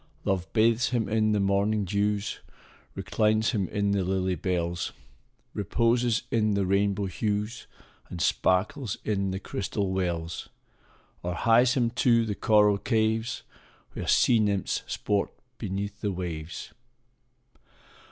Love bathes him in the morning dews, Reclines him in the lily bells, Reposes in the rainbow hues, And sparkles in the crystal wells, Or hies him to the coral caves, Where sea nymphs sport beneath the waves.